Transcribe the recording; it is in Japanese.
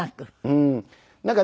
うん。